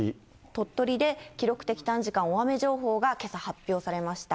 鳥取で記録的短時間大雨情報がけさ発表されました。